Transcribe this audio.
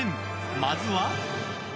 まずは。